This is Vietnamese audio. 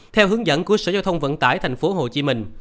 theo hướng dẫn của sở giao thông vận tải tp hcm